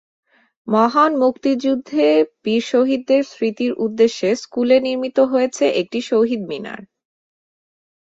মহান মুক্তিযুদ্ধে বীর শহীদদের স্মৃতির উদ্দেশ্যে স্কুলে নির্মিত হয়েছে একটি শহীদ মিনার।